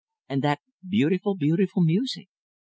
and that beautiful, beautiful music!